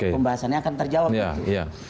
pembahasannya akan terjawab begitu